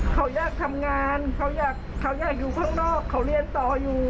เขาอยากทำงานเขาอยากอยู่ข้างนอกเขาเรียนต่ออยู่